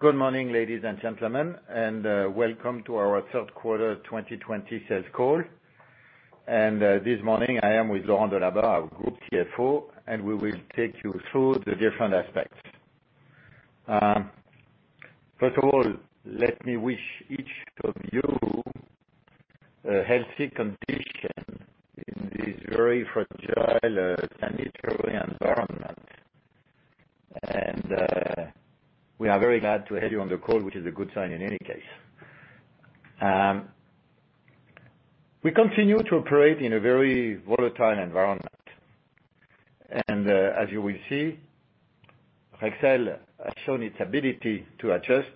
Good morning, ladies and gentlemen, welcome to our third quarter 2020 sales call. This morning I am with Laurent Delabarre, our Group Chief Financial Officer, and we will take you through the different aspects. First of all, let me wish each of you a healthy condition in this very fragile sanitary environment. We are very glad to have you on the call, which is a good sign in any case. We continue to operate in a very volatile environment. As you will see, Rexel has shown its ability to adjust,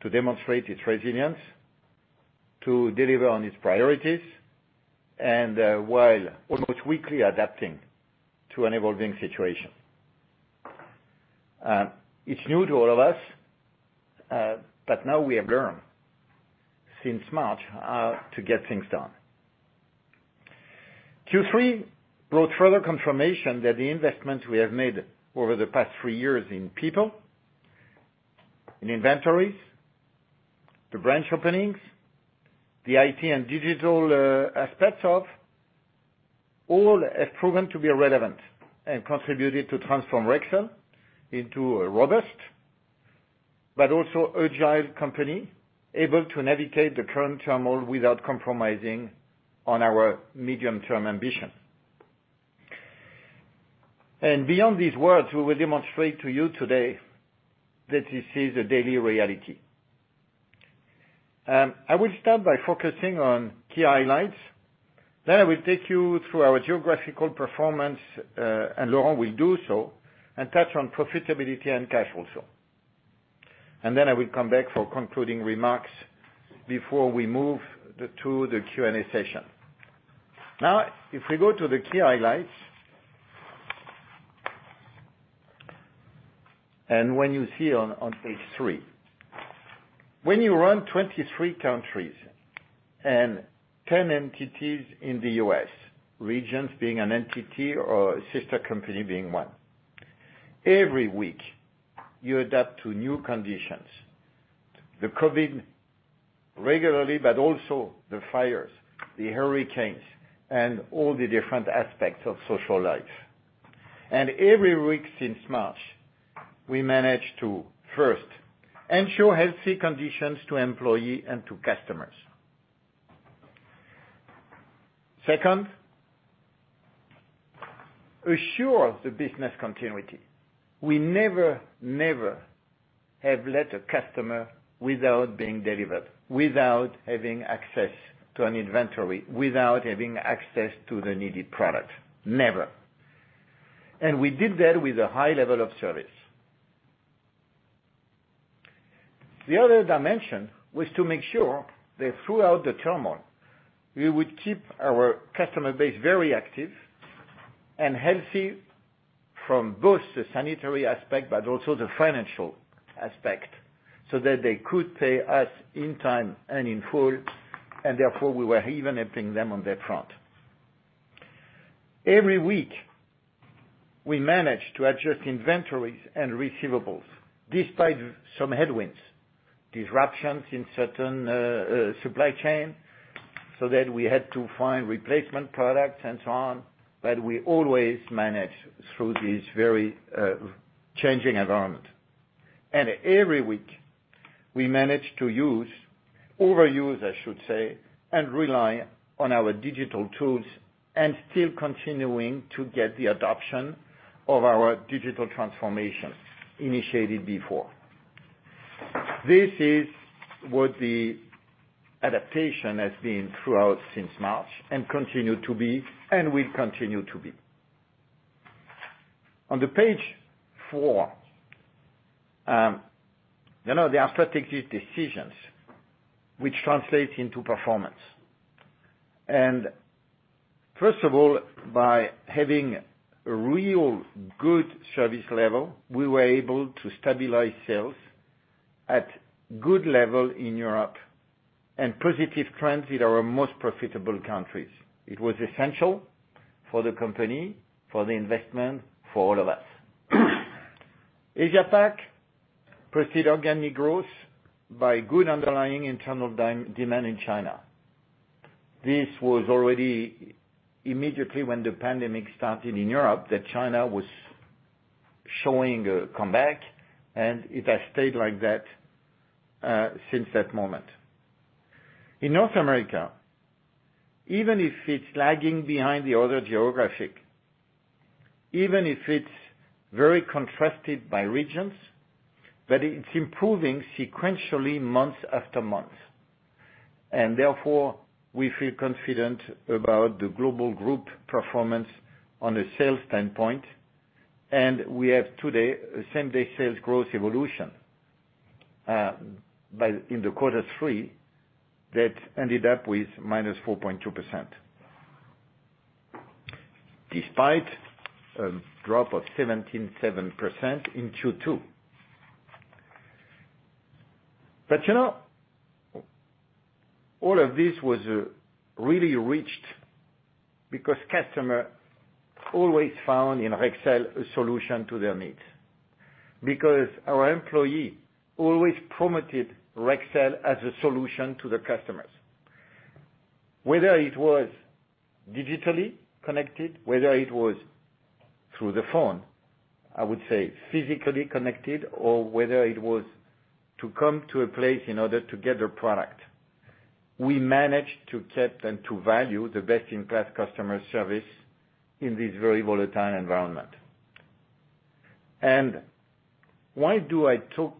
to demonstrate its resilience, to deliver on its priorities, and while almost weekly adapting to an evolving situation. It's new to all of us, but now we have learned since March how to get things done. Q3 brought further confirmation that the investments we have made over the past three years in people, in inventories, the branch openings, the IT and digital aspects of all has proven to be relevant and contributed to transform Rexel into a robust but also agile company able to navigate the current turmoil without compromising on our medium-term ambition. Beyond these words, we will demonstrate to you today that this is a daily reality. I will start by focusing on key highlights, then I will take you through our geographical performance, and Laurent will do so, and touch on profitability and cash also. Then I will come back for concluding remarks before we move to the Q&A session. Now, if we go to the key highlights, and when you see on page three, when you run 23 countries and 10 entities in the U.S., regions being an entity or a sister company being one. Every week, you adapt to new conditions, the COVID regularly, but also the fires, the hurricanes, and all the different aspects of social life. Every week since March, we managed to, first, ensure healthy conditions to employee and to customers. Second, assure the business continuity. We never have let a customer without being delivered, without having access to an inventory, without having access to the needed product. Never. We did that with a high level of service. The other dimension was to make sure that throughout the turmoil, we would keep our customer base very active and healthy from both the sanitary aspect but also the financial aspect, so that they could pay us in time and in full, and therefore, we were even helping them on their front. Every week, we managed to adjust inventories and receivables despite some headwinds, disruptions in certain supply chain, so that we had to find replacement products and so on, but we always manage through this very changing environment. Every week we manage to use, overuse I should say, and rely on our digital tools and still continuing to get the adoption of our digital transformation initiated before. This is what the adaptation has been throughout since March and continue to be and will continue to be. On the page four, there are strategic decisions which translate into performance. First of all, by having a real good service level, we were able to stabilize sales at good level in Europe and positive trends in our most profitable countries. It was essential for the company, for the investment, for all of us. Asia Pac posted organic growth by good underlying internal demand in China. This was already immediately when the pandemic started in Europe, that China was showing a comeback, and it has stayed like that since that moment. In North America, even if it's lagging behind the other geographies, even if it's very contrasted by regions, it's improving sequentially month after month. Therefore, we feel confident about the global group performance on a sales standpoint, and we have today same day sales growth evolution, by in the quarter three, that ended up with -4.2% despite a drop of 17.7% in Q2. You know, all of this was really reached because customer always found in Rexel a solution to their needs, because our employee always promoted Rexel as a solution to the customers. Whether it was digitally connected, whether it was through the phone, I would say physically connected, or whether it was to come to a place in order to get a product. We managed to keep and to value the best-in-class customer service in this very volatile environment. Why do I talk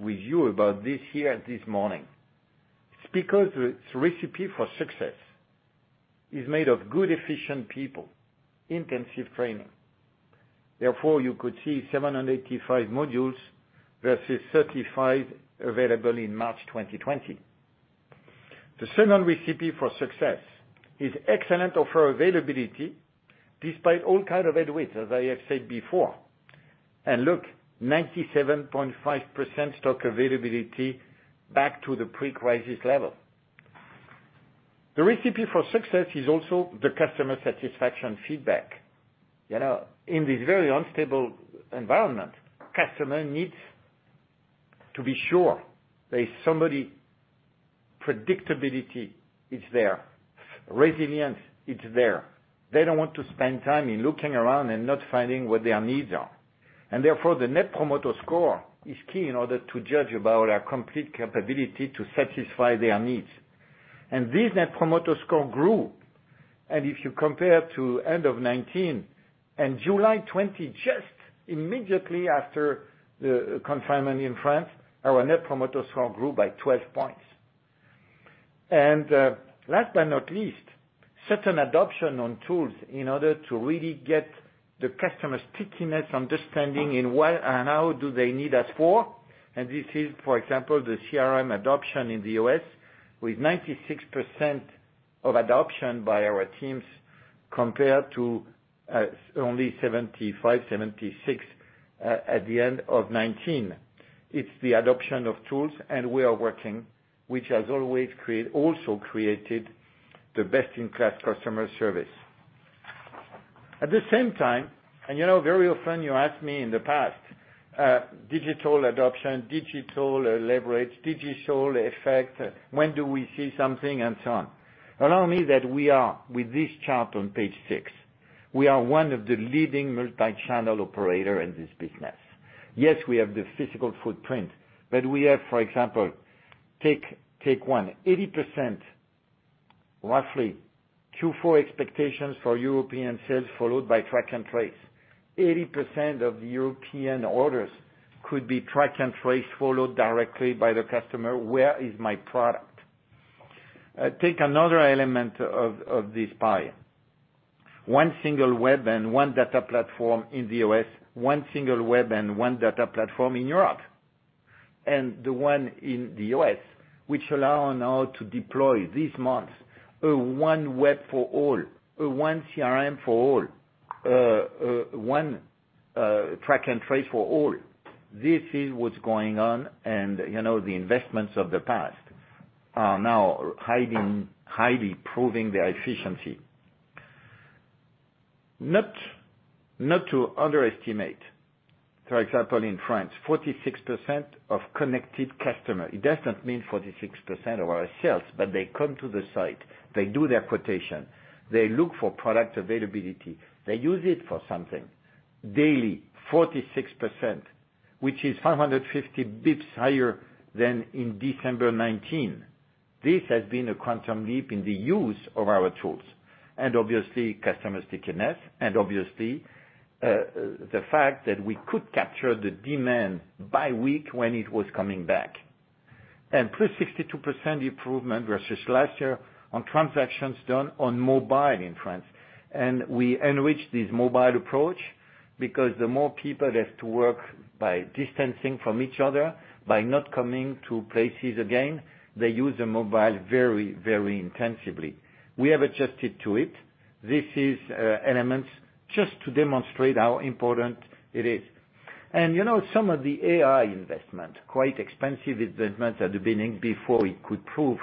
with you about this here this morning? It's because the recipe for success is made of good, efficient people, intensive training. Therefore, you could see 785 modules versus 35 available in March 2020. The second recipe for success is excellent offer availability despite all kind of headwinds, as I have said before, look, 97.5% stock availability back to the pre-crisis level. The recipe for success is also the customer satisfaction feedback. In this very unstable environment, customer needs to be sure there is somebody, predictability is there, resilience is there. They don't want to spend time in looking around and not finding what their needs are. Therefore, the Net Promoter Score is key in order to judge about our complete capability to satisfy their needs. This Net Promoter Score grew. If you compare to end of 2019 and July 2020, just immediately after the confinement in France, our Net Promoter Score grew by 12 points. Last but not least, certain adoption on tools in order to really get the customer stickiness, understanding in what and how do they need us for. This is, for example, the CRM adoption in the U.S. with 96% of adoption by our teams, compared to only 75%, 76% at the end of 2019. It's the adoption of tools, and we are working, which has always also created the best-in-class customer service. At the same time, you know, very often you asked me in the past, digital adoption, digital leverage, digital effect, when do we see something and so on. Allow me that we are, with this chart on page six, we are one of the leading multi-channel operator in this business. Yes, we have the physical footprint. We have, for example, take one, 80%, roughly, Q4 expectations for European sales followed by track and trace. 80% of European orders could be track and trace followed directly by the customer, "Where is my product?" Take another element of this pie. One single web and one data platform in the U.S., one single web and one data platform in Europe. The one in the U.S., which allow now to deploy this month a one web for all, a one CRM for all, one track and trace for all. This is what's going on and, you know, the investments of the past are now highly proving their efficiency. Not to underestimate, for example, in France, 46% of connected customer. It does not mean 46% of our sales, but they come to the site, they do their quotation, they look for product availability. They use it for something daily, 46%, which is 550 basis points higher than in December 2019. This has been a quantum leap in the use of our tools, and obviously customer stickiness and obviously, the fact that we could capture the demand by week when it was coming back. Plus 62% improvement versus last year on transactions done on mobile in France. We enrich this mobile approach because the more people have to work by distancing from each other, by not coming to places again, they use a mobile very intensively. We have adjusted to it. This is elements just to demonstrate how important it is. Some of the AI investment, quite expensive investment at the beginning before it could prove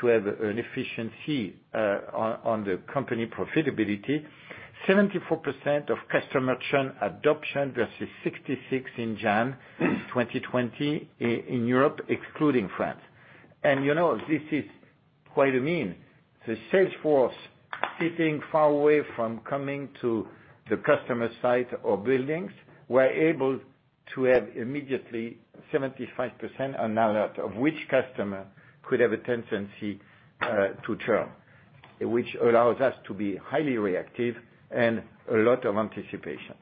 to have an efficiency on the company profitability. 74% of customer churn adoption versus 66% in January 2020 in Europe, excluding France. This is quite a feat. The sales force sitting far away from coming to the customer site or buildings were able to have immediately 75% on alert of which customer could have a tendency to churn, which allows us to be highly reactive and a lot of anticipation.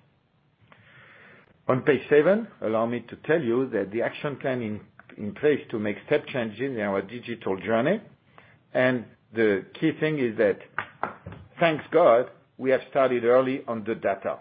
On page seven, allow me to tell you that the action plan in place to make step changes in our digital journey. The key thing is that, thank God, we have started early on the data,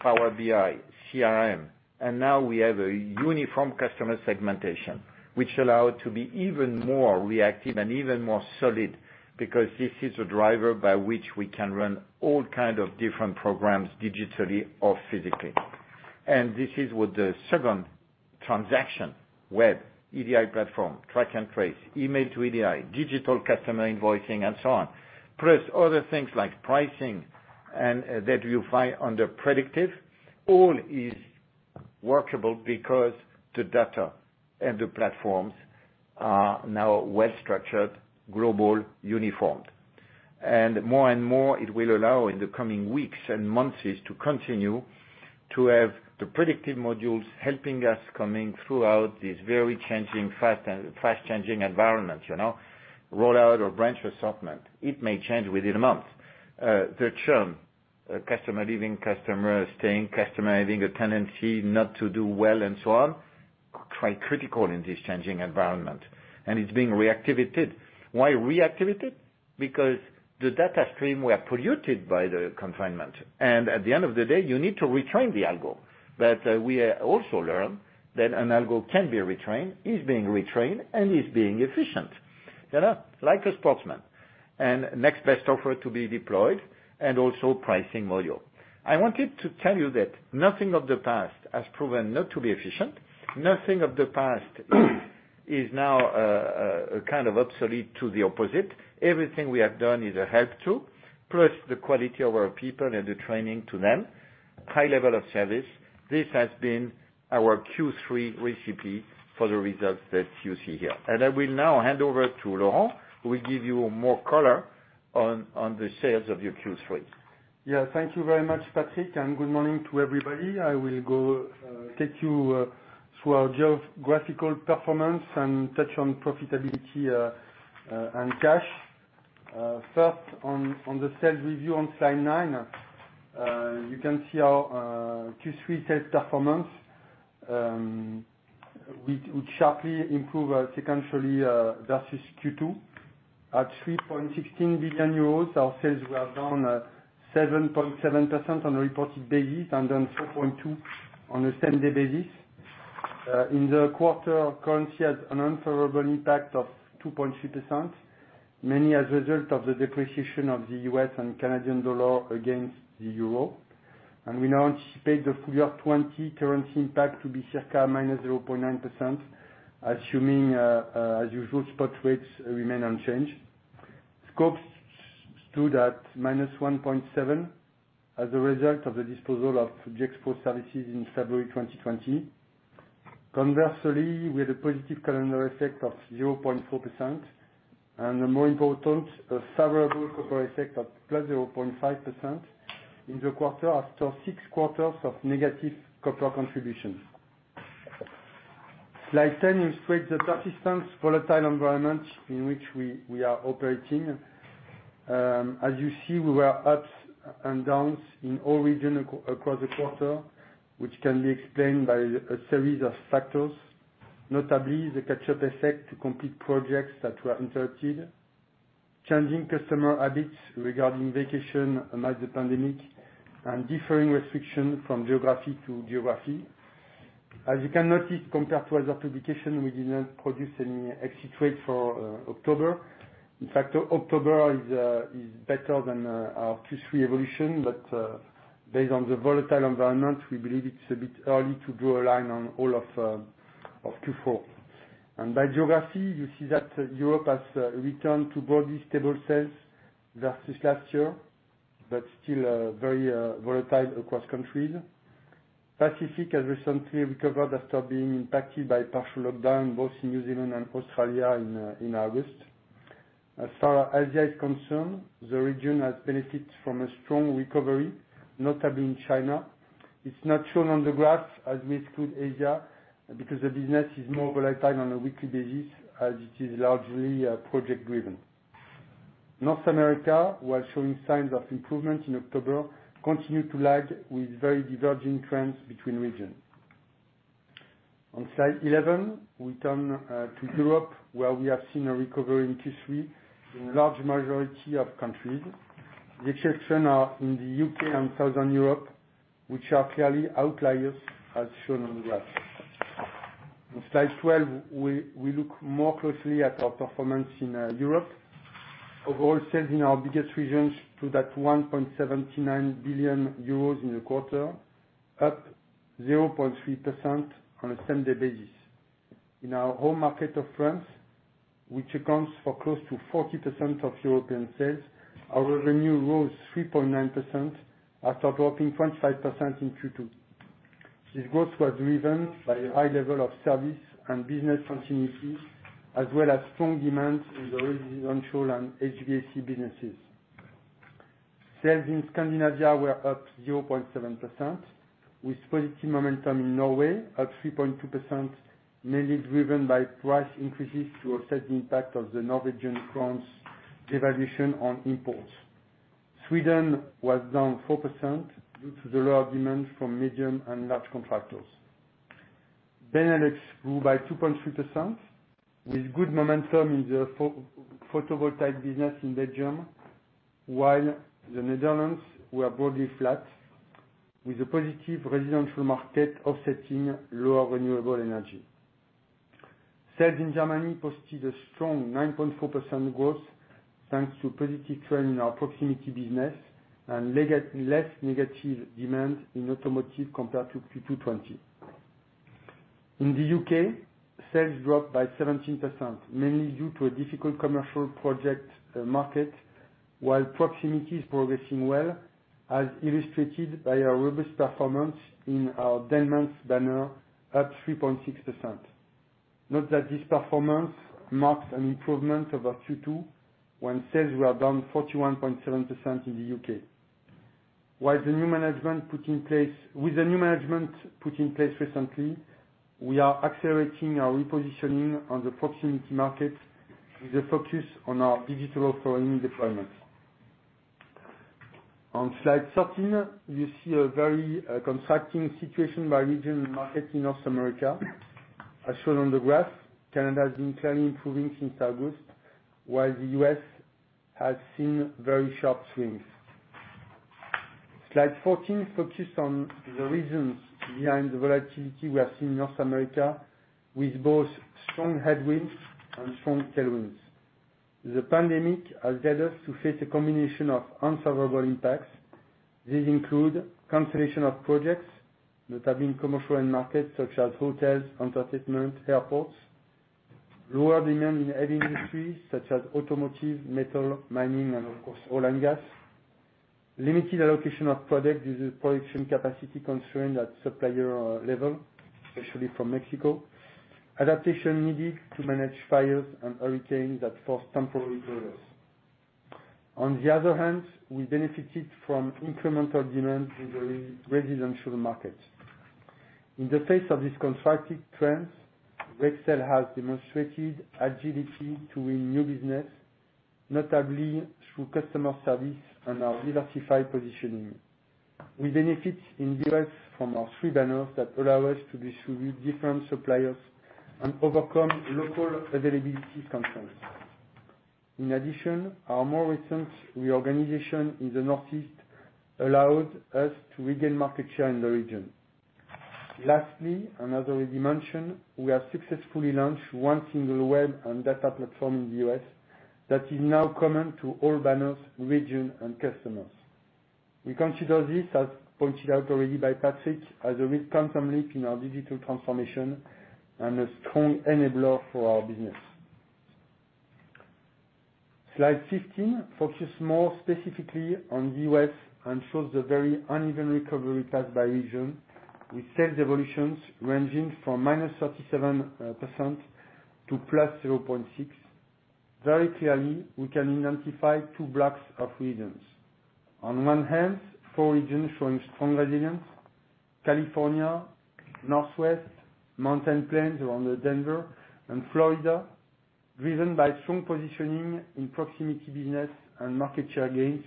Power BI, CRM, and now we have a uniform customer segmentation, which allow to be even more reactive and even more solid because this is a driver by which we can run all kind of different programs digitally or physically. This is with the second transaction, web EDI platform, track and trace, email to EDI, digital customer invoicing, and so on. Other things like pricing that you find under predictive, all is workable because the data and the platforms are now well-structured, global, uniform. More and more, it will allow in the coming weeks and months to continue to have the predictive modules helping us coming throughout this very fast-changing environment. Rollout or branch assortment, it may change within a month. The churn, customer leaving, customer staying, customer having a tendency not to do well and so on, quite critical in this changing environment. It's being reactivated. Why reactivated? Because the data stream were polluted by the confinement. At the end of the day, you need to retrain the algo. We also learn that an algo can be retrained, is being retrained, and is being efficient. Like a sportsman. Next best offer to be deployed, and also pricing module. I wanted to tell you that nothing of the past has proven not to be efficient. Nothing of the past is now kind of obsolete to the opposite. Everything we have done is a help too, plus the quality of our people and the training to them, high level of service. This has been our Q3 recipe for the results that you see here. I will now hand over to Laurent, who will give you more color on the sales of your Q3. Yeah. Thank you very much, Patrick, good morning to everybody. I will go take you through our geographical performance and touch on profitability and cash. First on the sales review on slide nine. You can see our Q3 sales performance, which sharply improved sequentially versus Q2. At 3.16 billion euros, our sales were down 7.7% on a reported basis and down 4.2% on a same day basis. In the quarter, currency had an unfavorable impact of 2.3%, mainly as a result of the depreciation of the U.S. and Canadian dollar against the euro. We now anticipate the full year 2020 currency impact to be circa -0.9%, assuming, as usual, spot rates remain unchanged. Scopes stood at -1.7% as a result of the disposal of Gexpro Services in February 2020. Conversely, we had a positive calendar effect of 0.4% and more important, a favorable corporate effect of +0.5% in the quarter after six quarters of negative copper contributions. Slide 10 illustrates the persistent volatile environment in which we are operating. As you see, we were ups and downs in all regions across the quarter, which can be explained by a series of factors, notably the catch-up effect to complete projects that were interrupted, changing customer habits regarding vacation amid the pandemic, and differing restriction from geography to geography. As you can notice, compared to other publications, we did not produce any exit rate for October. In fact, October is better than our Q3 evolution. Based on the volatile environment, we believe it's a bit early to draw a line on all of Q4. By geography, you see that Europe has returned to broadly stable sales versus last year, but still very volatile across countries. Pacific has recently recovered after being impacted by partial lockdown, both in New Zealand and Australia in August. As far as Asia is concerned, the region has benefited from a strong recovery, notably in China. It's not shown on the graph as we exclude Asia because the business is more volatile on a weekly basis as it is largely project driven. North America, while showing signs of improvement in October, continued to lag with very divergent trends between regions. On slide 11, we turn to Europe, where we have seen a recovery in Q3 in large majority of countries. The exception are in the U.K. and Southern Europe, which are clearly outliers as shown on the graph. In slide 12, we look more closely at our performance in Europe. Overall sales in our biggest regions to that 1.79 billion euros in the quarter, up 0.3% on a same day basis. In our home market of France, which accounts for close to 40% of European sales, our revenue rose 3.9% after dropping 25% in Q2. This growth was driven by a high level of service and business continuity, as well as strong demand in the residential and HVAC businesses. Sales in Scandinavia were up 0.7%, with positive momentum in Norway at 3.2%, mainly driven by price increases to offset the impact of the Norwegian kroner's devaluation on imports. Sweden was down 4% due to the lower demand from medium and large contractors. Benelux grew by 2.3%, with good momentum in the photovoltaic business in Belgium, while the Netherlands were broadly flat with a positive residential market offsetting lower renewable energy. Sales in Germany posted a strong 9.4% growth thanks to positive trend in our proximity business and less negative demand in automotive compared to 2020. In the U.K., sales dropped by 17%, mainly due to a difficult commercial project market, while proximity is progressing well, as illustrated by our robust performance in our Denmans banner, up 3.6%. Note that this performance marks an improvement over Q2 when sales were down 41.7% in the U.K. With the new management put in place recently, we are accelerating our repositioning on the proximity market with a focus on our digital offering deployment. On slide 13, you see a very contrasting situation by region and market in North America. As shown on the graph, Canada has been clearly improving since August, while the US has seen very sharp swings. Slide 14 focus on the reasons behind the volatility we have seen in North America with both strong headwinds and strong tailwinds. The pandemic has led us to face a combination of unfavorable impacts. These include cancellation of projects, notably in commercial end markets such as hotels, entertainment, airports, lower demand in heavy industries such as automotive, metal, mining, and, of course, oil and gas, limited allocation of product due to production capacity constraint at supplier level, especially from Mexico, adaptation needed to manage fires and hurricanes that forced temporary closures. On the other hand, we benefited from incremental demand in the residential market. In the face of these contrasting trends, Rexel has demonstrated agility to win new business, notably through customer service and our diversified positioning. We benefit in the U.S. from our three banners that allow us to distribute different suppliers and overcome local availability constraints. In addition, our more recent reorganization in the Northeast allowed us to regain market share in the region. Lastly, and as already mentioned, we have successfully launched one single web and data platform in the U.S. that is now common to all banners, region, and customers. We consider this, as pointed out already by Patrick, as a quantum leap in our digital transformation and a strong enabler for our business. Slide 15 focus more specifically on the U.S. and shows the very uneven recovery path by region, with sales evolutions ranging from -37% to +0.6%. Very clearly, we can identify two blocks of regions. On one hand, four regions showing strong resilience: California, Northwest, Mountain Plains around Denver, and Florida, driven by strong positioning in proximity business and market share gains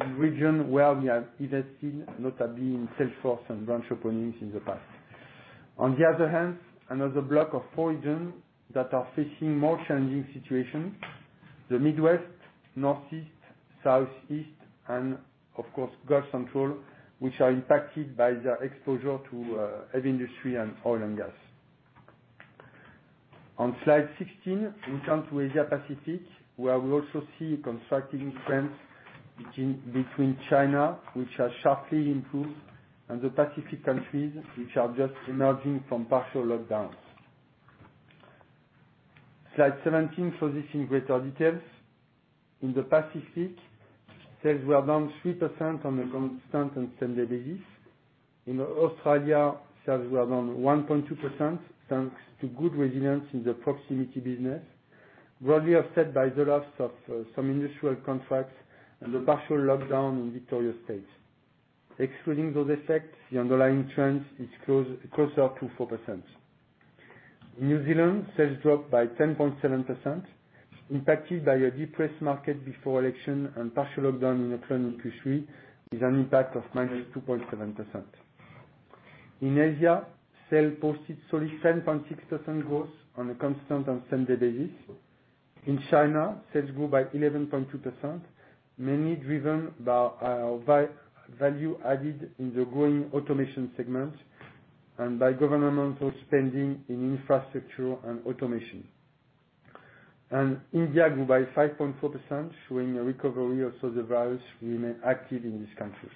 in regions where we have invested, notably in sales force and branch openings in the past. On the other hand, another block of four regions that are facing more challenging situations: the Midwest, Northeast, Southeast, and, of course, Gulf Central, which are impacted by their exposure to heavy industry and oil and gas. On slide 16, we turn to Asia Pacific, where we also see contrasting trends between China, which has sharply improved, and the Pacific countries, which are just emerging from partial lockdowns. Slide 17 shows this in greater details. In the Pacific, sales were down 3% on a constant and same day basis. In Australia, sales were down 1.2%, thanks to good resilience in the proximity business, broadly offset by the loss of some industrial contracts and the partial lockdown in Victoria state. Excluding those effects, the underlying trend is closer to 4%. New Zealand sales dropped by 10.7%, impacted by a depressed market before election and partial lockdown in Auckland in Q3, with an impact of -2.7%. In Asia, sales posted solid 7.6% growth on a constant and same day basis. In China, sales grew by 11.2%, mainly driven by our value added in the growing automation segment and by governmental spending in infrastructure and automation. India grew by 5.4%, showing a recovery, although the virus remain active in this country.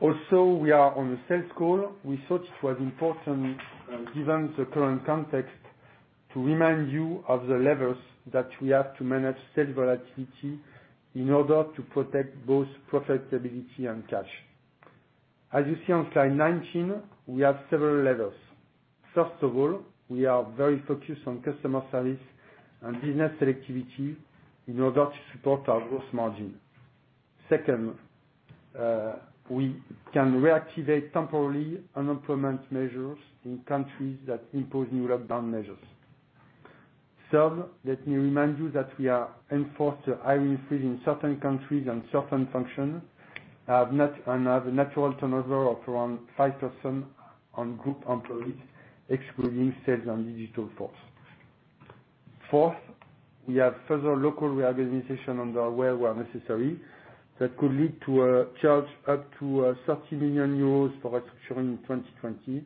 Also, we are on a sales call. We thought it was important, given the current context, to remind you of the levers that we have to manage sales volatility in order to protect both profitability and cash. As you see on slide 19, we have several levers. First of all, we are very focused on customer service and business selectivity in order to support our growth margin. Second, we can reactivate temporarily unemployment measures in countries that impose new lockdown measures. Third, let me remind you that we are enforced hiring freeze in certain countries and certain functions and have a natural turnover of around 5% on group employees, excluding sales and digital force. Fourth, we have further local reorganization on the way where necessary, that could lead to a charge up to 30 million euros for restructuring in 2020,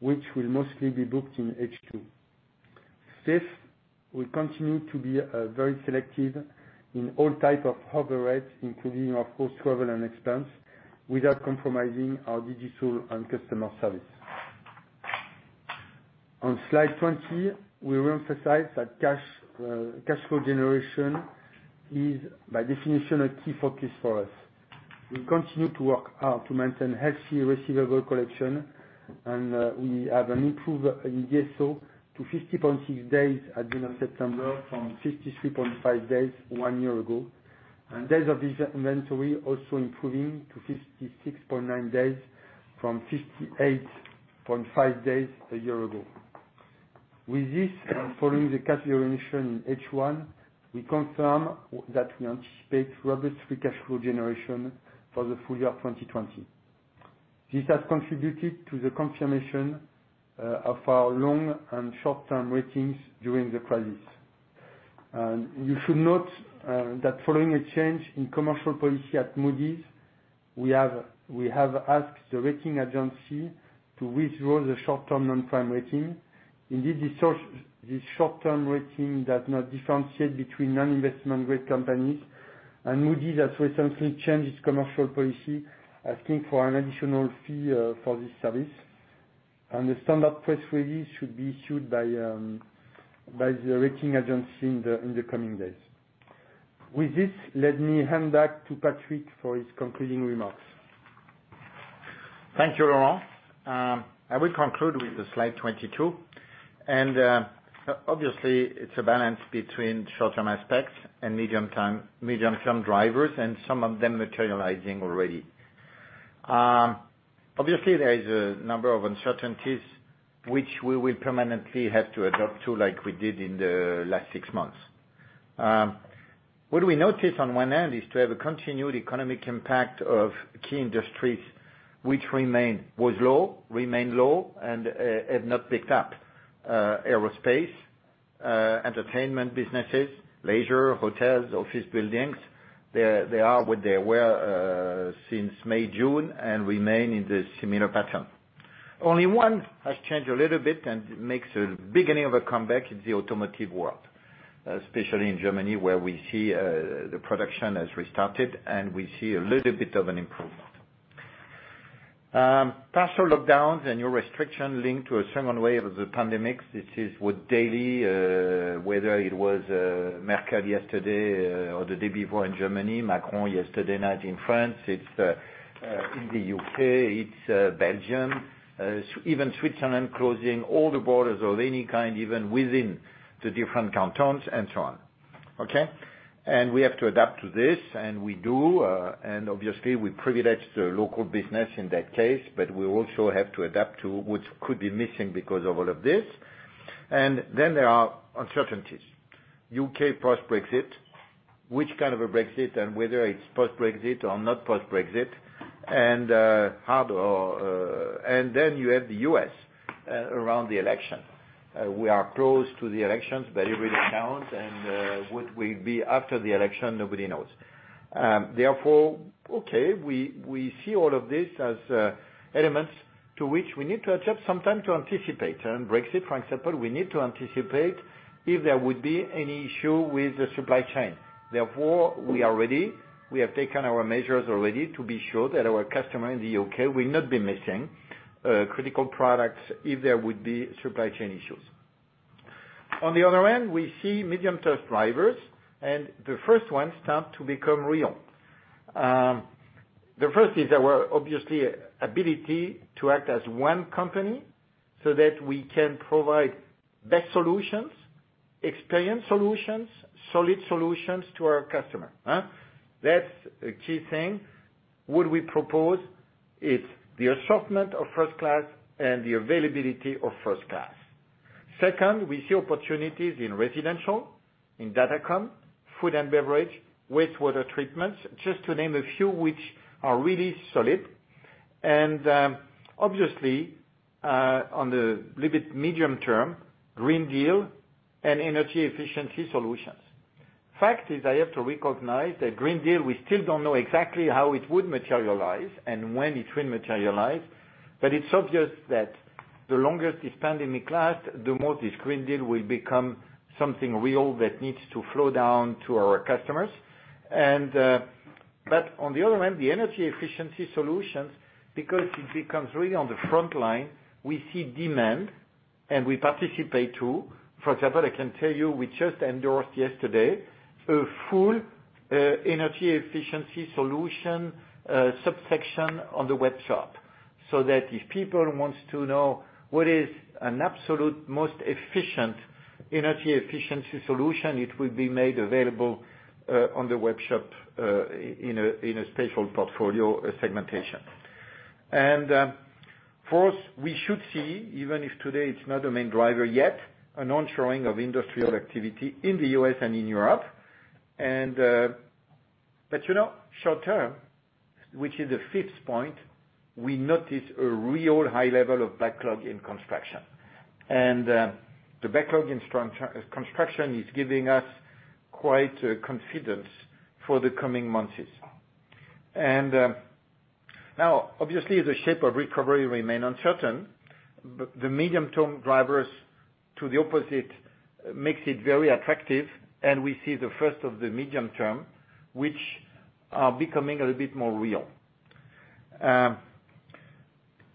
which will mostly be booked in H2. Fifth, we continue to be very selective in all type of overhead, including our full travel and expense, without compromising our digital and customer service. On slide 20, we reemphasize that cash flow generation is, by definition, a key focus for us. We continue to work hard to maintain healthy receivable collection, and we have an improvement in DSO to 50.6 days at the end of September from 53.5 days one year ago. Days of inventory also improving to 56.9 days from 58.5 days a year ago. With this, following the cash generation in H1, we confirm that we anticipate robust free cash flow generation for the full year 2020. This has contributed to the confirmation of our long- and short-term ratings during the crisis. You should note that following a change in commercial policy at Moody's, we have asked the rating agency to withdraw the short-term Not Prime rating. Indeed, this short-term rating does not differentiate between non-investment grade companies, and Moody's has recently changed its commercial policy, asking for an additional fee for this service. The standard press release should be issued by the rating agency in the coming days. With this, let me hand back to Patrick for his concluding remarks. Thank you, Laurent. I will conclude with slide 22. Obviously, it's a balance between short-term aspects and medium-term drivers, and some of them materializing already. Obviously, there is a number of uncertainties which we will permanently have to adapt to like we did in the last six months. What we notice on one end is to have a continued economic impact of key industries, which was low, remain low, and have not picked up. Aerospace, entertainment businesses, leisure, hotels, office buildings, they are what they were since May, June, and remain in the similar pattern. Only one has changed a little bit and makes a beginning of a comeback, it's the automotive world, especially in Germany where we see the production has restarted, and we see a little bit of an improvement. Partial lockdowns and new restriction linked to a second wave of the pandemic. This is with daily, whether it was Merkel yesterday or the day before in Germany, Macron yesterday night in France. It's in the U.K., it's Belgium, even Switzerland closing all the borders of any kind, even within the different cantons and so on. Okay? We have to adapt to this, and we do, and obviously we privilege the local business in that case, but we also have to adapt to which could be missing because of all of this. There are uncertainties. U.K. post-Brexit, which kind of a Brexit and whether it's post-Brexit or not post-Brexit. You have the U.S. around the election. We are close to the elections, but every account and, what will be after the election, nobody knows. We see all of this as elements to which we need to adapt some time to anticipate. Brexit, for example, we need to anticipate if there would be any issue with the supply chain. Therefore, we are ready. We have taken our measures already to be sure that our customer in the U.K. will not be missing critical products if there would be supply chain issues. On the other end, we see medium-term drivers, and the first one start to become real. The first is our, obviously, ability to act as one company so that we can provide best solutions, experienced solutions, solid solutions to our customer. That's a key thing. What we propose is the assortment of first class and the availability of first class. Second, we see opportunities in residential, in Datacom, food and beverage, wastewater treatments, just to name a few which are really solid. Obviously, on the little bit medium-term, Green Deal and energy efficiency solutions. Fact is, I have to recognize that Green Deal, we still don't know exactly how it would materialize and when it will materialize, but it's obvious that the longer this pandemic lasts, the more this Green Deal will become something real that needs to flow down to our customers. On the other hand, the energy efficiency solutions, because it becomes really on the front line, we see demand, and we participate, too. For example, I can tell you we just endorsed yesterday a full energy efficiency solution subsection on the webshop. That if people want to know what is an absolute most efficient energy efficiency solution, it will be made available on the webshop in a special portfolio segmentation. Fourth, we should see, even if today it's not a main driver yet, an ensuring of industrial activity in the U.S. and in Europe. Short-term, which is the fifth point, we notice a real high level of backlog in construction. The backlog in construction is giving us quite confidence for the coming months. Now, obviously, the shape of recovery remain uncertain. The medium-term drivers to the opposite makes it very attractive, and we see the first of the medium-term, which are becoming a bit more real.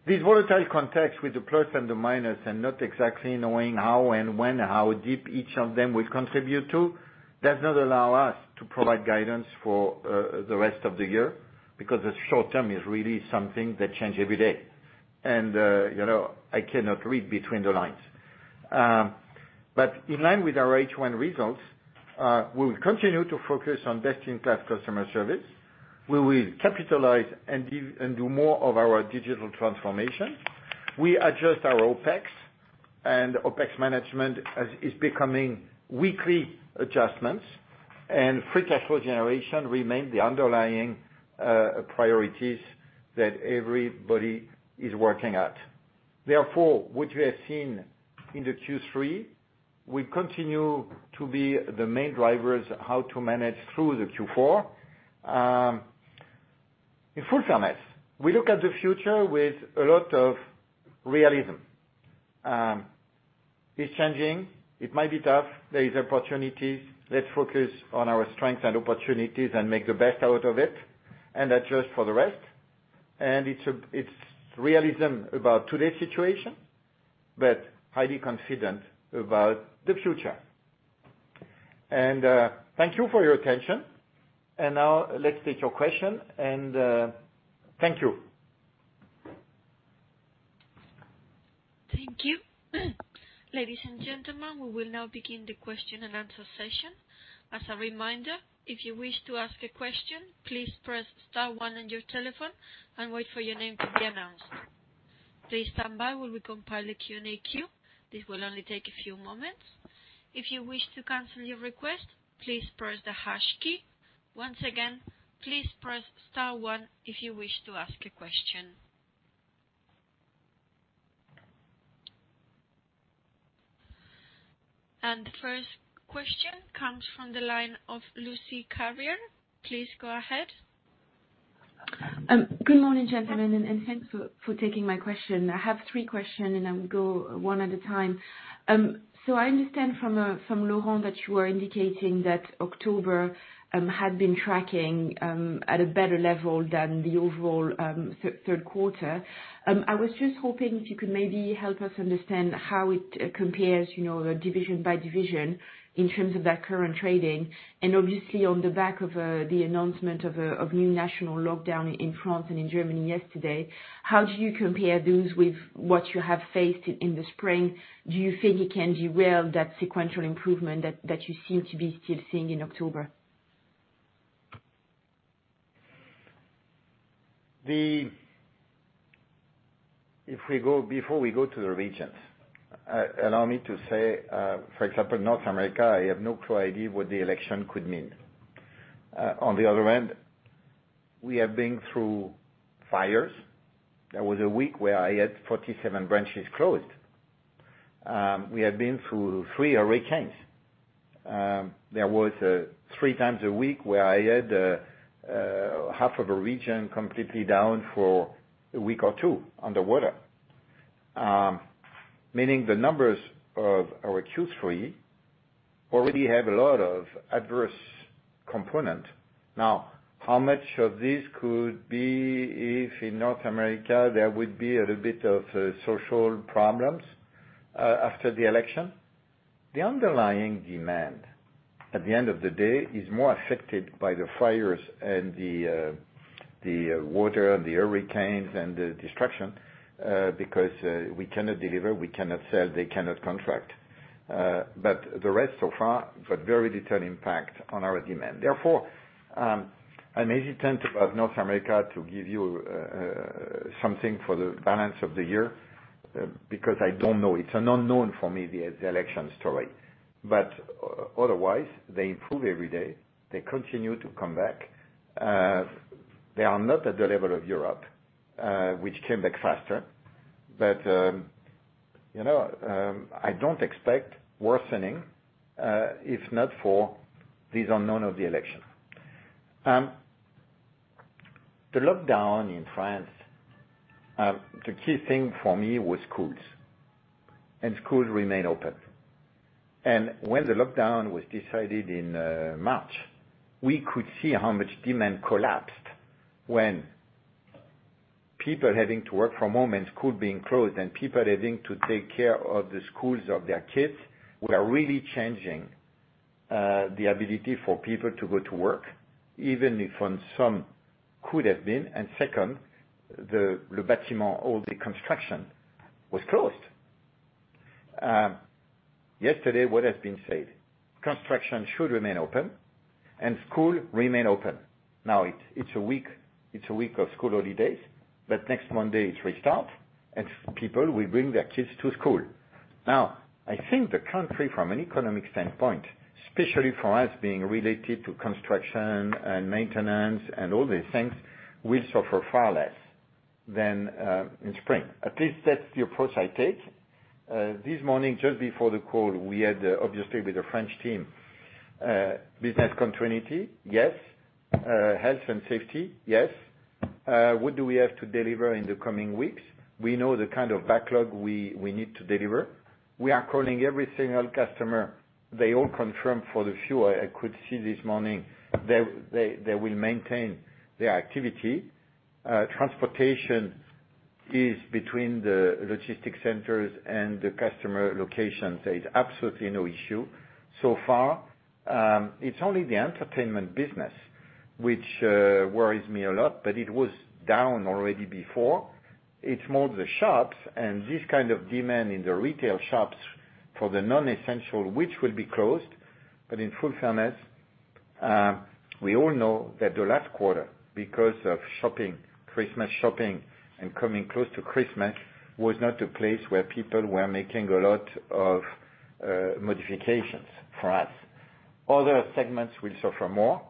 This volatile context with the plus and the minus and not exactly knowing how and when, how deep each of them will contribute to, does not allow us to provide guidance for the rest of the year, because the short-term is really something that change every day. I cannot read between the lines. In line with our H1 results, we will continue to focus on best-in-class customer service. We will capitalize and do more of our digital transformation. We adjust our OPEX. OPEX management is becoming weekly adjustments. Free cash flow generation remain the underlying priorities that everybody is working at. What we have seen in the Q3 will continue to be the main drivers how to manage through the Q4. In fullness, we look at the future with a lot of realism. It's changing. It might be tough. There is opportunities. Let's focus on our strengths and opportunities and make the best out of it, and adjust for the rest. It's realism about today's situation, but highly confident about the future. Thank you for your attention. Now, let's take your question, and thank you. Thank you. Ladies and gentlemen, we will now begin the question-and-answer session As a reminder, if you wish to ask a question please press star one on your telephone and wait for your name to be announced. Please standby as while we compile the Q&A queue. This will only take a few moments. If you wish to cancel your request, press the hash key. Once again, please press star one if you wish to ask a question. The first question comes from the line of Lucie Carrier. Please go ahead. Good morning, gentlemen, and thanks for taking my question. I have three question, and I will go one at a time. I understand from Laurent that you were indicating that October had been tracking at a better level than the overall third quarter. I was just hoping if you could maybe help us understand how it compares division by division in terms of that current trading. Obviously, on the back of the announcement of new national lockdown in France and in Germany yesterday, how do you compare those with what you have faced in the spring? Do you think you can derail that sequential improvement that you seem to be still seeing in October? Before we go to the regions, allow me to say, for example, North America, I have no clue idea what the election could mean. On the other end, we have been through fires. There was a week where I had 47 branches closed. We have been through three hurricanes. There was three times a week where I had half of a region completely down for a week or two, under water. The numbers of our Q3 already have a lot of adverse component. How much of this could be if, in North America, there would be a little bit of social problems after the election? The underlying demand, at the end of the day, is more affected by the fires and the water and the hurricanes and the destruction, because we cannot deliver, we cannot sell, they cannot contract. The rest so far have very little impact on our demand. Therefore, I'm hesitant about North America to give you something for the balance of the year, because I don't know. It's an unknown for me, the election story. Otherwise, they improve every day. They continue to come back. They are not at the level of Europe, which came back faster. I don't expect worsening, if not for these unknown of the election. The lockdown in France, the key thing for me was schools, and schools remain open. When the lockdown was decided in March, we could see how much demand collapsed when people having to work from home and school being closed and people having to take care of the schools of their kids, were really changing the ability for people to go to work. Second, Le Bâtiment or the construction was closed. Yesterday, what has been said, construction should remain open and school remain open. Now it's one week of school holidays, but next Monday it restarts, and people will bring their kids to school. Now, I think the country from an economic standpoint, especially for us being related to construction and maintenance and all these things, will suffer far less than in spring. At least that's the approach I take. This morning just before the call, we had, obviously, with the French team, business continuity, yes. Health and safety, yes. What do we have to deliver in the coming weeks? We know the kind of backlog we need to deliver. We are calling every single customer. They all confirm for the few I could see this morning, they will maintain their activity. Transportation is between the logistics centers and the customer locations. There is absolutely no issue so far. It's only the entertainment business which worries me a lot, but it was down already before. It's more the shops and this kind of demand in the retail shops for the non-essential, which will be closed. In full fairness, we all know that the last quarter, because of Christmas shopping and coming close to Christmas, was not a place where people were making a lot of modifications for us. Other segments will suffer more.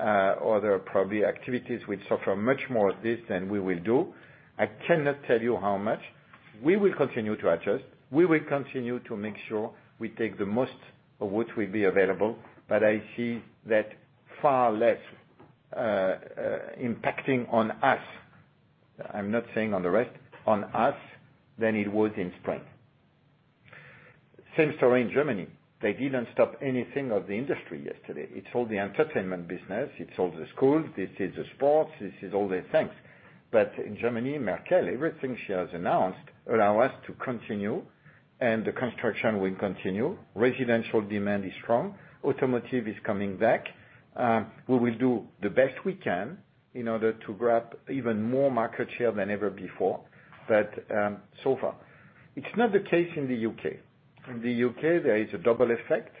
Other probably activities will suffer much more this than we will do. I cannot tell you how much. We will continue to adjust. We will continue to make sure we take the most of what will be available. I see that far less impacting on us. I'm not saying on the rest, on us, than it was in spring. Same story in Germany. They didn't stop anything of the industry yesterday. It's all the entertainment business. It's all the schools. This is the sports, this is all the things. In Germany, Merkel, everything she has announced allow us to continue, and the construction will continue. Residential demand is strong. Automotive is coming back. We will do the best we can in order to grab even more market share than ever before, but so far. It's not the case in the U.K. In the U.K., there is a double effect,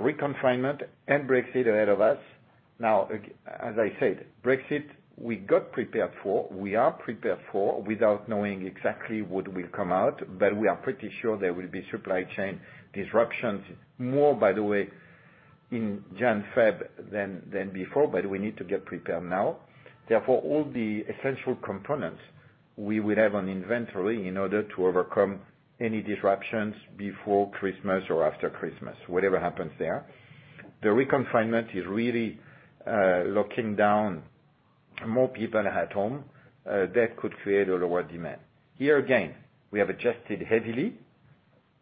re-confinement and Brexit ahead of us. As I said, Brexit, we got prepared for, we are prepared for, without knowing exactly what will come out. We are pretty sure there will be supply chain disruptions more, by the way, in January, February than before, but we need to get prepared now. All the essential components, we will have on inventory in order to overcome any disruptions before Christmas or after Christmas, whatever happens there. The reconfinement is really locking down more people at home. That could create a lower demand. Here again, we have adjusted heavily,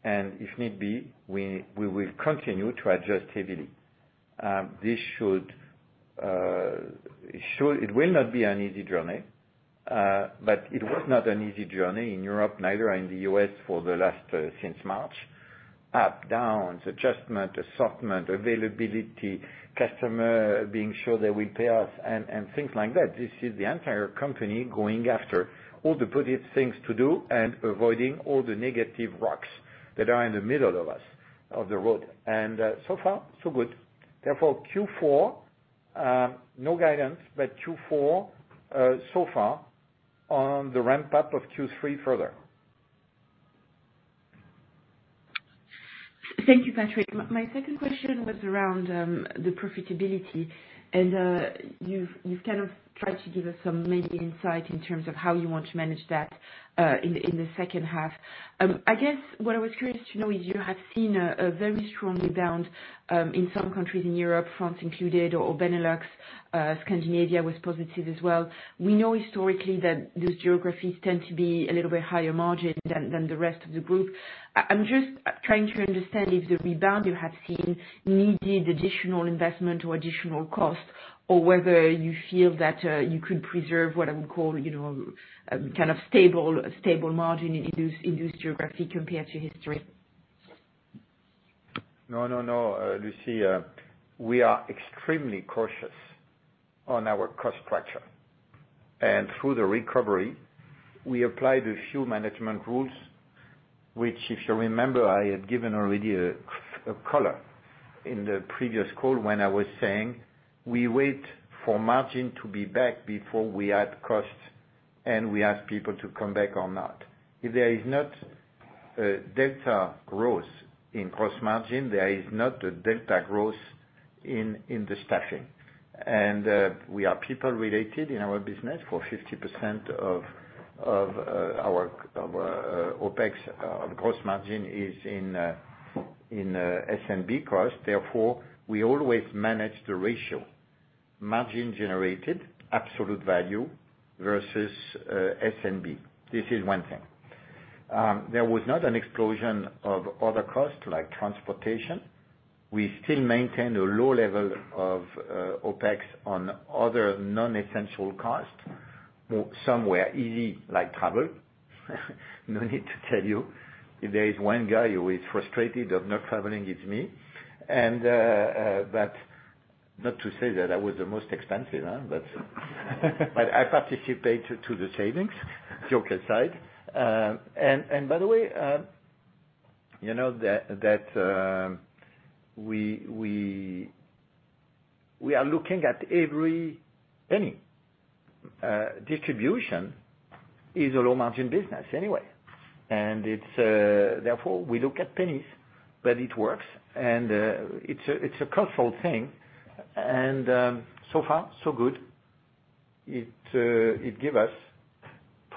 if need be, we will continue to adjust heavily. It will not be an easy journey. It was not an easy journey in Europe, neither in the U.S. since March. Up, downs, adjustment, assortment, availability, customer being sure they will pay us and things like that. This is the entire company going after all the positive things to do and avoiding all the negative rocks that are in the middle of the road. So far, so good. Q4, no guidance, Q4, so far, on the ramp-up of Q3 further. Thank you, Patrick. My second question was around the profitability, and you've kind of tried to give us some maybe insight in terms of how you want to manage that in the second half. I guess what I was curious to know is you have seen a very strong rebound in some countries in Europe, France included, or Benelux. Scandinavia was positive as well. We know historically that those geographies tend to be a little bit higher margin than the rest of the group. I'm just trying to understand if the rebound you have seen needed additional investment or additional cost, or whether you feel that you could preserve what I would call kind of stable margin in those geography compared to history. No, Lucie. We are extremely cautious on our cost structure. Through the recovery, we applied a few management rules, which, if you remember, I had given already a color in the previous call when I was saying we wait for margin to be back before we add cost and we ask people to come back or not. If there is not delta growth in gross margin, there is not a delta growth in the staffing. We are people-related in our business for 50% of our OpEx. Our gross margin is in SG&A cost, therefore, we always manage the ratio. Margin generated absolute value versus SG&A. This is one thing. There was not an explosion of other costs like transportation. We still maintain a low level of OpEx on other non-essential costs. Some were easy like travel. No need to tell you. If there is one guy who is frustrated of not traveling, it's me. Not to say that I was the most expensive. I participate to the savings. Joke aside. By the way, We are looking at every penny. Distribution is a low-margin business anyway. Therefore, we look at pennies, but it works, and it's a cultural thing, and so far so good. For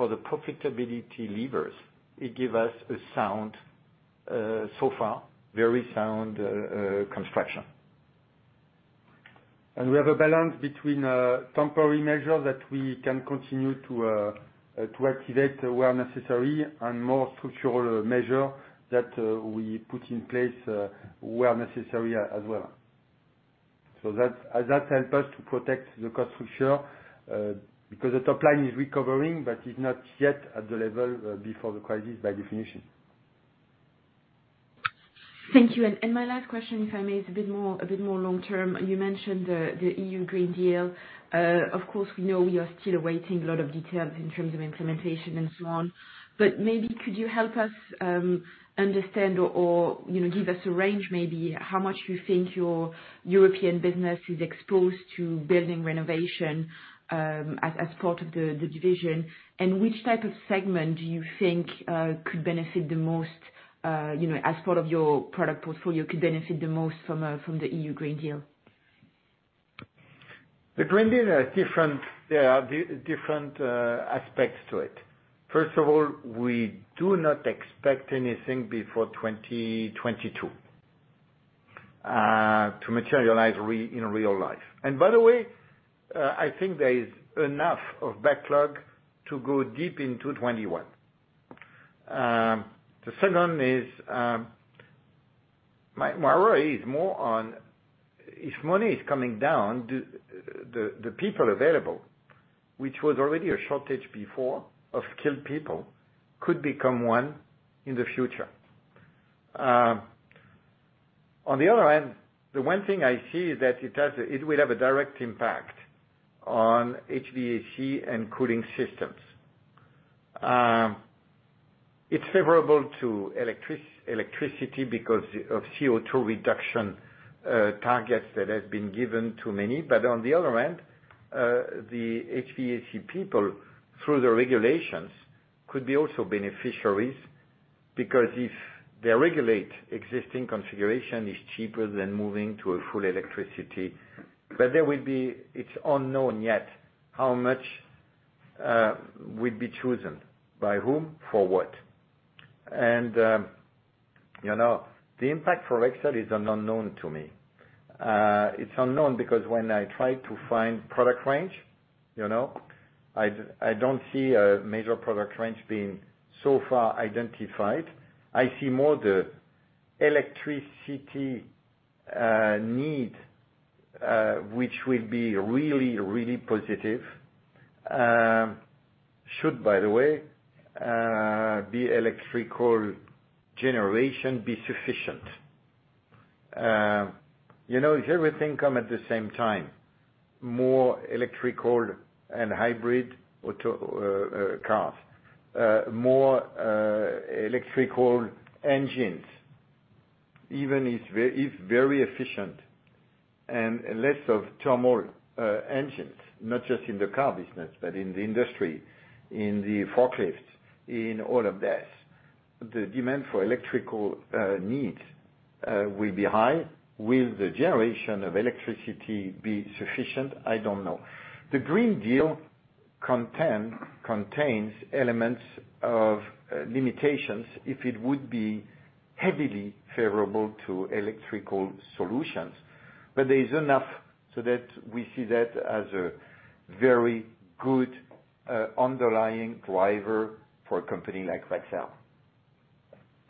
the profitability levers, it give us, so far, very sound construction. We have a balance between temporary measures that we can continue to activate where necessary and more structural measure that we put in place where necessary as well. That help us to protect the cost structure, because the top line is recovering, but it's not yet at the level before the crisis by definition. Thank you. My last question, if I may, it's a bit more long-term. You mentioned the EU Green Deal. Of course, we know we are still awaiting a lot of details in terms of implementation and so on. Maybe could you help us understand or give us a range, maybe how much you think your European business is exposed to building renovation as part of the division, and which type of segment do you think could benefit the most as part of your product portfolio, could benefit the most from the EU Green Deal? The Green Deal, there are different aspects to it. First of all, we do not expect anything before 2022 to materialize in real life. By the way, I think there is enough of backlog to go deep into 2021. The second is, my worry is more on if money is coming down, the people available, which was already a shortage before of skilled people, could become one in the future. On the other hand, the one thing I see is that it will have a direct impact on HVAC and cooling systems. It's favorable to electricity because of CO2 reduction targets that have been given to many. On the other hand, the HVAC people, through the regulations, could be also beneficiaries, because if they regulate existing configuration is cheaper than moving to a full electricity. It's unknown yet how much will be chosen by whom, for what. The impact for Rexel is an unknown to me. It's unknown because when I try to find product range, I don't see a major product range being so far identified. I see more the electricity need, which will be really positive, should, by the way, be electrical generation be sufficient. If everything come at the same time, more electrical and hybrid cars, more electrical engines, even is very efficient and less of thermal engines, not just in the car business, but in the industry, in the forklifts, in all of that, the demand for electrical needs will be high. Will the generation of electricity be sufficient? I don't know. The Green Deal contains elements of limitations if it would be heavily favorable to electrical solutions. There is enough so that we see that as a very good underlying driver for a company like Rexel.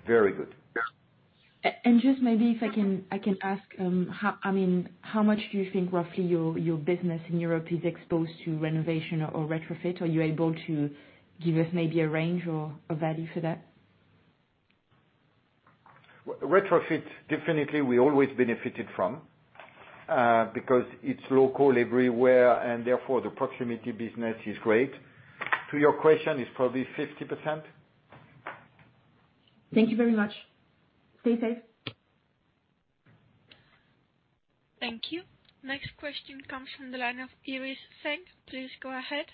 Very good. Just maybe if I can ask, how much do you think, roughly, your business in Europe is exposed to renovation or retrofit? Are you able to give us maybe a range or a value for that? Retrofit, definitely we always benefited from, because it's local everywhere, and therefore the proximity business is great. To your question, it's probably 50%. Thank you very much. Stay safe. Thank you. Next question comes from the line of Iris Seng. Please go ahead.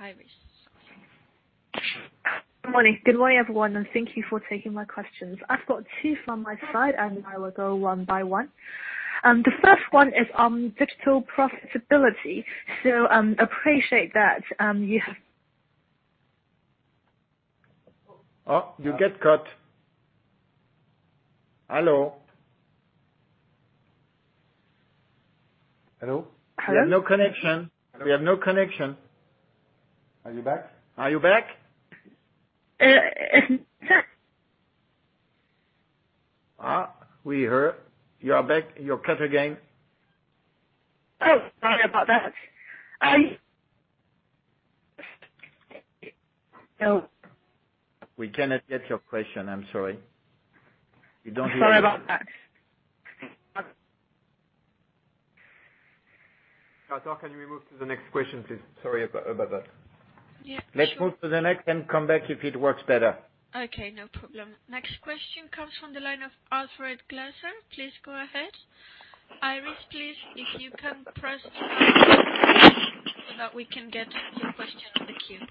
Iris Seng. Good morning, everyone. Thank you for taking my questions. I've got two from my side. I will go one by one. The first one is on digital profitability. Appreciate that. Oh, you get cut. Hello? Hello? We have no connection. Are you back? Are you back? We hear. You are back. You're cut again. Oh, sorry about that. I. We cannot get your question, I'm sorry. We don't hear you. Sorry about that. Arthur, can we move to the next question, please? Sorry about that. Yeah, sure. Let's move to the next and come back if it works better. Okay, no problem. Next question comes from the line of Alfred Glaser. Please go ahead. Iris, please, if you can press so that we can get your question on the queue.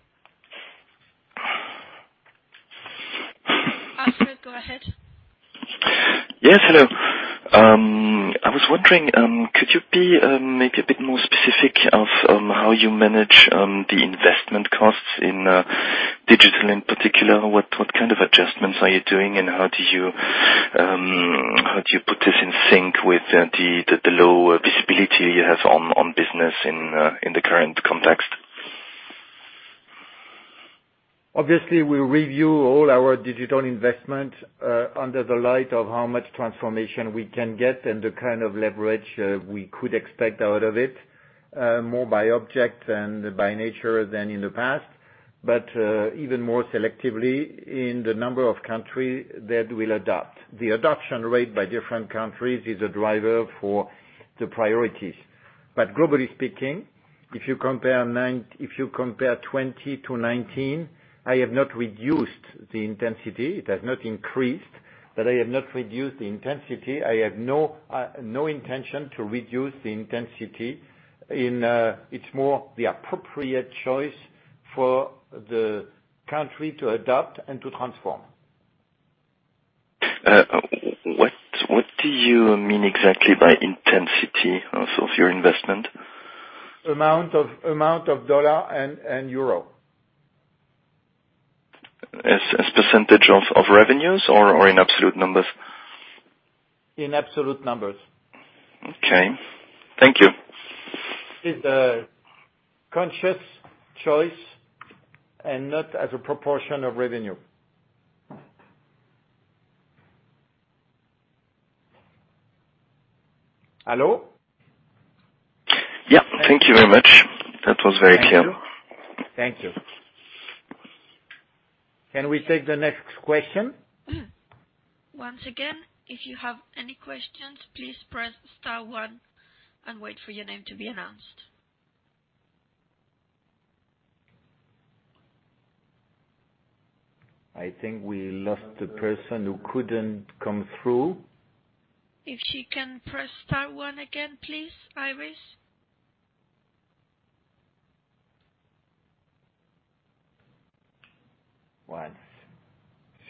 Alfred, go ahead. Yes. Hello. I was wondering, could you be maybe a bit more specific of how you manage the investment costs in digital, in particular? What kind of adjustments are you doing, and how do you put this in sync with the low visibility you have on business in the current context? Obviously, we review all our digital investment under the light of how much transformation we can get and the kind of leverage we could expect out of it, more by object and by nature than in the past. Even more selectively in the number of countries that will adopt. The adoption rate by different countries is a driver for the priorities. Globally speaking, if you compare 2020 to 2019, I have not reduced the intensity. It has not increased, but I have not reduced the intensity. I have no intention to reduce the intensity. It's more the appropriate choice for the country to adopt and to transform. What do you mean exactly by intensity of your investment? Amount of dollar and euro. As percentage of revenues or in absolute numbers? In absolute numbers. Okay. Thank you. It's a conscious choice and not as a proportion of revenue. Hello? Yeah. Thank you very much. That was very clear. Thank you. Can we take the next question? Once again, if you have any questions, please press star one and wait for your name to be announced. I think we lost the person who couldn't come through. If she can press star one again, please, Iris. Once.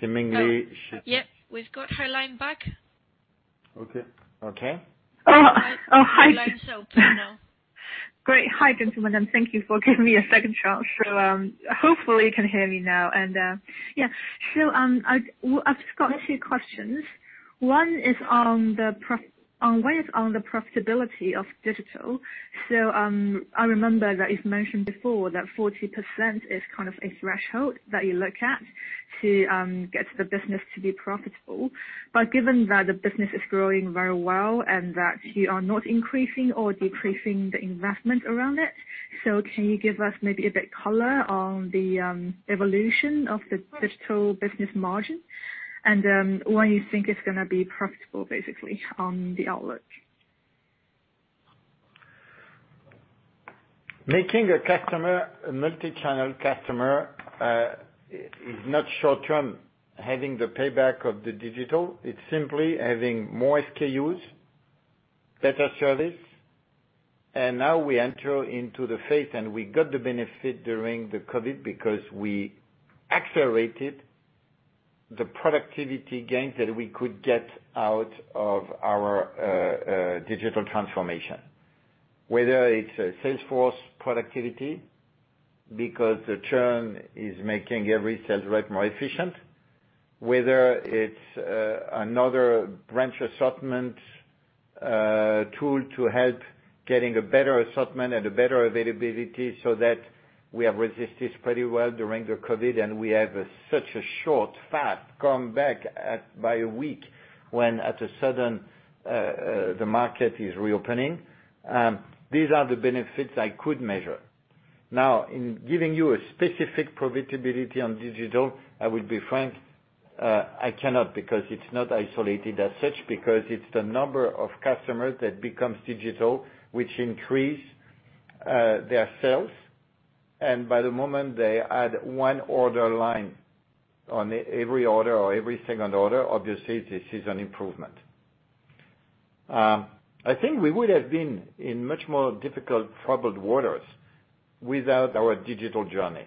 Oh, yep, we've got her line back. Okay. Okay. Her line's open now. Great. Hi, gentlemen. Thank you for giving me a second chance. Hopefully you can hear me now. Yeah. I've just got a few questions. One is on the profitability of digital. I remember that you've mentioned before that 40% is kind of a threshold that you look at to get the business to be profitable. Given that the business is growing very well and that you are not increasing or decreasing the investment around it, can you give us maybe a bit color on the evolution of the digital business margin and, when you think it's going to be profitable, basically, on the outlook? Making a customer a multi-channel customer is not short-term. Having the payback of the digital, it's simply having more SKUs, better service. Now we enter into the phase, and we got the benefit during the COVID because we accelerated the productivity gains that we could get out of our digital transformation. Whether it's sales force productivity, because the churn is making every sales rep more efficient, whether it's another branch assortment tool to help getting a better assortment and a better availability, so that we have resisted pretty well during the COVID, and we have such a short, fast comeback at by a week when at a sudden, the market is reopening. These are the benefits I could measure. In giving you a specific profitability on digital, I will be frank, I cannot because it's not isolated as such. It's the number of customers that becomes digital, which increase their sales, and by the moment they add one order line on every order or every second order, obviously, this is an improvement. I think we would have been in much more difficult, troubled waters without our digital journey.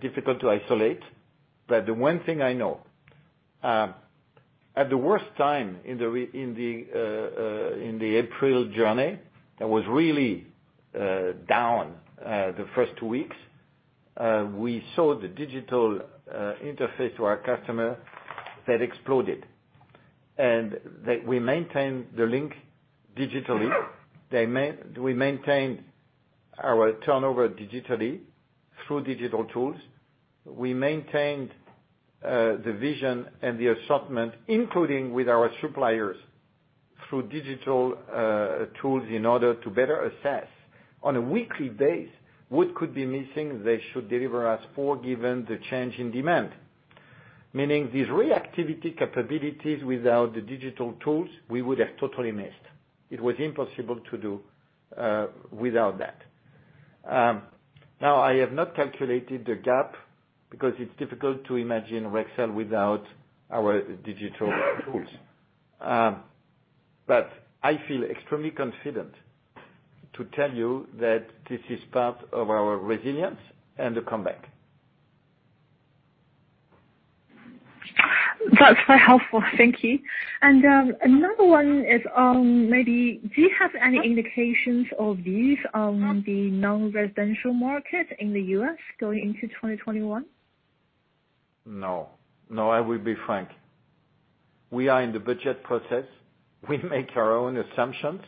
Difficult to isolate, but the one thing I know, at the worst time in the April journey, that was really down the first two weeks, we saw the digital interface to our customer that exploded. That we maintained the link digitally. We maintained our turnover digitally through digital tools. We maintained the vision and the assortment, including with our suppliers, through digital tools in order to better assess on a weekly base what could be missing they should deliver us for, given the change in demand. Meaning these reactivity capabilities without the digital tools, we would have totally missed. It was impossible to do without that. Now, I have not calculated the gap because it's difficult to imagine Rexel without our digital tools. I feel extremely confident to tell you that this is part of our resilience and the comeback. That's very helpful. Thank you. Another one is, maybe do you have any indications of views on the non-residential market in the U.S. going into 2021? No. I will be frank. We are in the budget process. We make our own assumptions.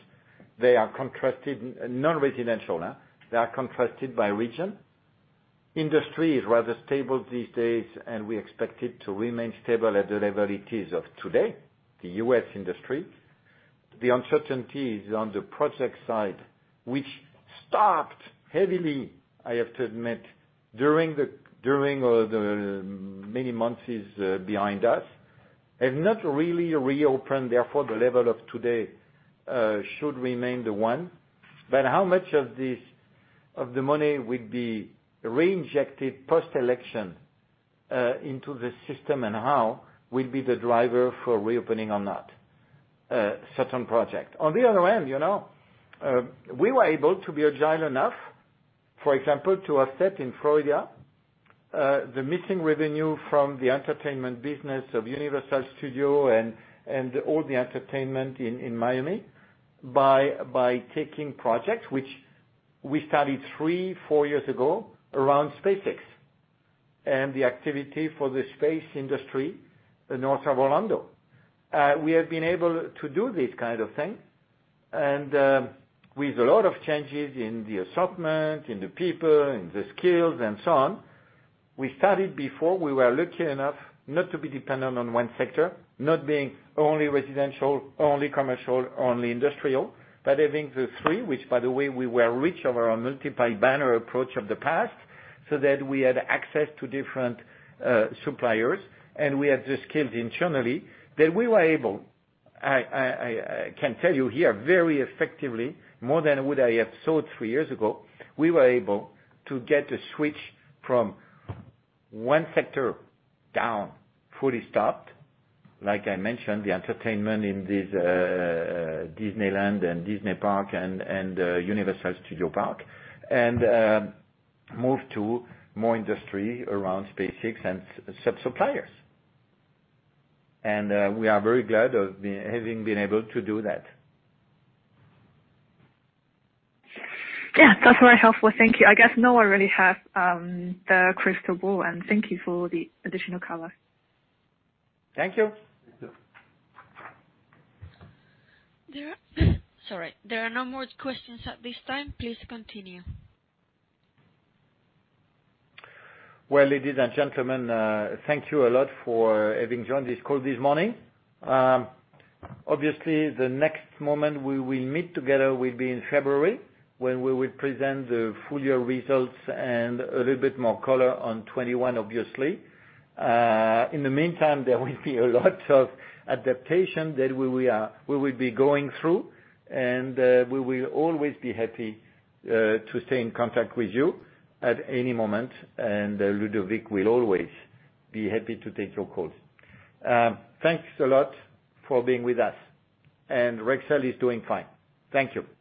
Non-residential. They are contrasted by region. Industry is rather stable these days, and we expect it to remain stable at the level it is of today, the U.S. industry. The uncertainty is on the project side, which stopped heavily, I have to admit, during the many months behind us, have not really reopened, therefore, the level of today should remain the one. How much of the money will be reinjected post-election into the system, and how will be the driver for reopening on that certain project? On the other hand, we were able to be agile enough, for example, to offset in Florida the missing revenue from the entertainment business of Universal Studios and all the entertainment in Miami by taking projects which we started three, four years ago around SpaceX and the activity for the space industry north of Orlando. We have been able to do this kind of thing and with a lot of changes in the assortment, in the people, in the skills and so on. We started before. We were lucky enough not to be dependent on one sector, not being only residential, only commercial, only industrial, but having the three, which by the way, we were rich over our multiplied banner approach of the past, so that we had access to different suppliers, and we had the skills internally that we were able, I can tell you here very effectively, more than would I have thought three years ago, we were able to get a switch from one sector down, fully stopped, like I mentioned, the entertainment in this Disneyland and Disney Parks and Universal Studios Park, and moved to more industry around SpaceX and sub-suppliers. We are very glad of having been able to do that. Yeah, that's very helpful. Thank you. I guess no one really have the crystal ball. Thank you for the additional color. Thank you. Sorry. There are no more questions at this time. Please continue. Well, ladies and gentlemen thank you a lot for having joined this call this morning. Obviously, the next moment we will meet together will be in February, when we will present the full year results and a little bit more color on 2021, obviously. In the meantime, there will be a lot of adaptation that we will be going through, and we will always be happy to stay in contact with you at any moment, and Ludovic will always be happy to take your calls. Thanks a lot for being with us. Rexel is doing fine. Thank you.